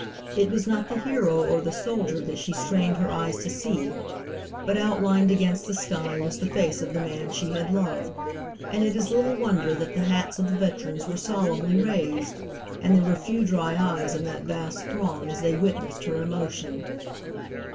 It was not the hero, or the soldier, that she strained her eyes to see, but outlined against the sky was the face of the man she had loved. And it is little wonder that the hats of the veterans were solemnly raised, and there were few dry eyes in that vast throng as they witnessed her emotion.